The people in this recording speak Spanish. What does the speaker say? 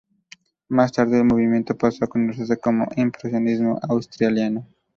Más tarde, el movimiento pasó a conocerse como impresionismo australiano.